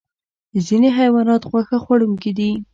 ځینې حیوانات غوښه خوړونکي دي